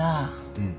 うん。